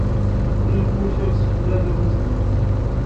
I yeffus yeslafen i tsednan